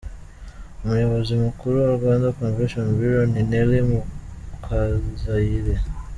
Umuyobozi mukuru wa Rwanda Convention Bureau ni Nelly Mukazayire